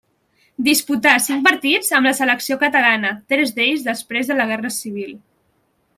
Disputà cinc partits amb la selecció catalana, tres d'ells després de la Guerra Civil.